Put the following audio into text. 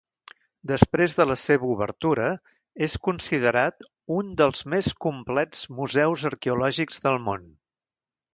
Després de la seva obertura, és considerat un dels més complets museus arqueològics del món.